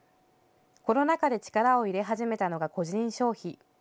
コロナ禍で力を入れ始めたのが個人消費。